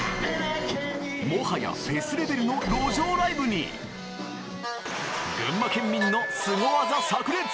もはやフェスレベルの路上ライブに群馬県民のスゴ技炸裂！